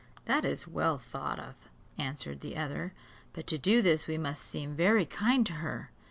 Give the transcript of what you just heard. "That is well thought of," answered the other, "but to do this we must seem very kind to her."